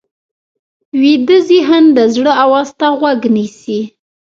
ویده ذهن د زړه آواز ته غوږ نیسي